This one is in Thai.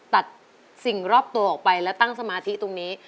ตัดสิ่งรอบตัวออกไปและตั้งสมาธิตรงนี้